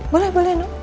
boleh boleh no